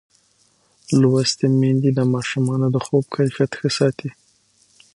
لوستې میندې د ماشومانو د خوب کیفیت ښه ساتي.